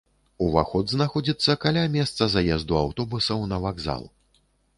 Уваход знаходзіцца каля месца заезду аўтобусаў на вакзал.